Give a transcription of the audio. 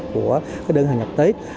của đơn hàng ngập tết